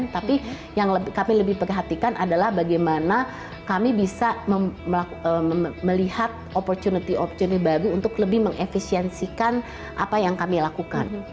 tapi yang kami lebih perhatikan adalah bagaimana kami bisa melihat opportunity optionnya baru untuk lebih mengefisiensikan apa yang kami lakukan